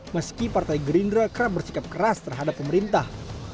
meski partai gerindra kerap bersikap keras terhadap pemerintah